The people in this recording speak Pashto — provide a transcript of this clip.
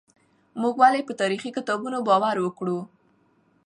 موږ ولې په تاريخي کتابونو باور وکړو؟